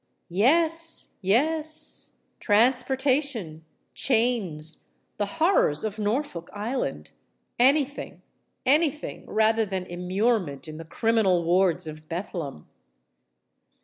Yes—yes: transportation—chains—the horrors of Norfolk Island,—any thing—any thing rather than immurement in the criminal wards of Bethlem!